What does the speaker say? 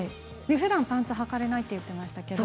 ふだんパンツをはかれないと言っていましたけども。